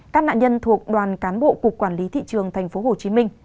các nạn nhân thuộc đoàn cán bộ cục quản lý thị trường tp hcm